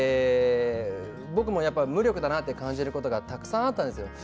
僕もやっぱり無力だなと感じることがたくさんあったんです。